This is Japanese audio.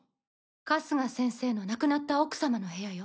春日先生の亡くなった奥様の部屋よ。